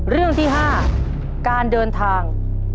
เรื่องที่๕การเดินทาง